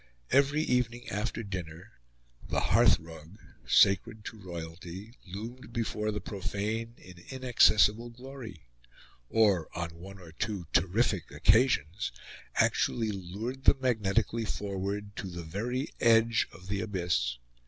Every evening after dinner, the hearth rug, sacred to royalty, loomed before the profane in inaccessible glory, or, on one or two terrific occasions, actually lured them magnetically forward to the very edge of the abyss.